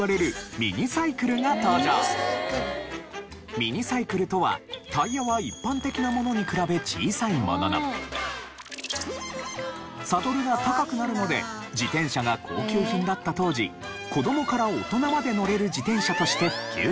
ミニサイクルとはタイヤは一般的なものに比べ小さいもののサドルが高くなるので自転車が高級品だった当時子供から大人まで乗れる自転車として普及しました。